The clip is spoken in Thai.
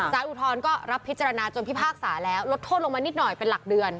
อุทธรณ์ก็รับพิจารณาจนพิพากษาแล้วลดโทษลงมานิดหน่อยเป็นหลักเดือน